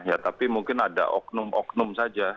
ya tapi mungkin ada oknum oknum saja